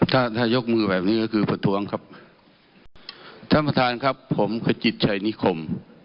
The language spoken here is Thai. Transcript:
ถ้าถ้ายกมือแบบนี้ก็คือประท้วงครับท่านประธานครับผมขจิตชัยนิคม